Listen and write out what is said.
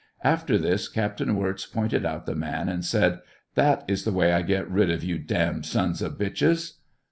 After this, Captain Wirz pointed out the man, and said, " That is the way I get rid of you damned sons of bitches."